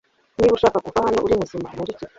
Niba ushaka kuva hano uri muzima unkurikire